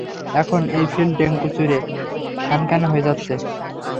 এখন, এই ফিল্ড ভেঙ্গেচুরে খানখান হয়ে যাচ্ছে!